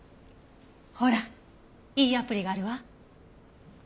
ほらいいアプリがあるわ。